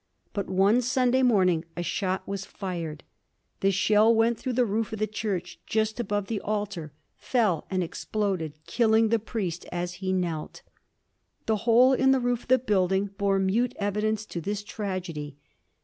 But one Sunday morning a shot was fired. The shell went through the roof of the church just above the altar, fell and exploded, killing the priest as he knelt. The hole in the roof of the building bore mute evidence to this tragedy.